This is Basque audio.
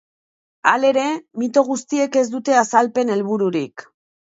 Halere, mito guztiek ez dute azalpen helbururik.